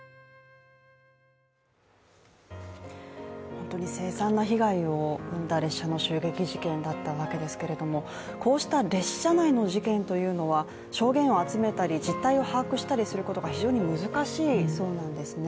本当に凄惨な被害を生んだ列車の襲撃事件だったわけですけれどもこうした列車内の事件というのは証言を集めたり実態を把握したりすることが非常に難しいそうなんですね。